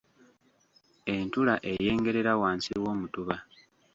Entula eyengerera wansi w’omutula.